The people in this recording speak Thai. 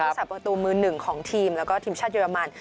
สาประตูมือหนึ่งของทีมแล้วก็ทีมชาติเยอรมัน